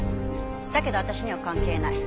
だけど私には関係ない。